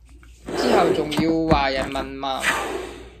之後仲要話人文盲